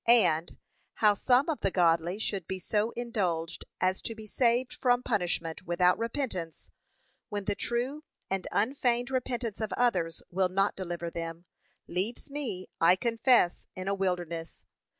And, how some of the godly should be so indulged as to be saved from punishment without repentance, when the true and unfeigned repentance of others will not deliver them, leaves me, I confess, in a wilderness!